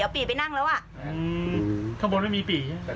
เอาปี่ไปนั่งแล้วอ่ะอืมข้างบนไม่มีปี่ใช่ไหม